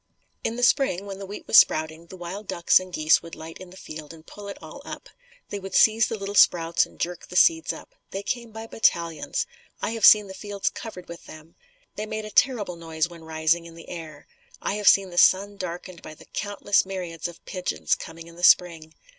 In the Spring when the wheat was sprouting, the wild ducks and geese would light in the field and pull it all up. They would seize the little sprouts and jerk the seeds up. They came by battalions. I have seen the fields covered with them. They made a terrible noise when rising in the air. I have seen the sun darkened by the countless myriads of pigeons coming in the spring.